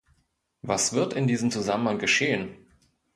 Was wird in diesem Zusammenhang geschehen?